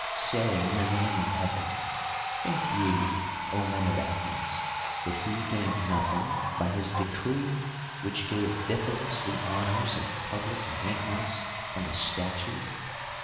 Say, in the name of Heaven ! think ye, men of Athens ! that he gained nothing by his decree which gave Diphilus the honors of public maintenance and a statue?